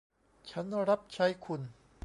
ฉันรับใช้คุณ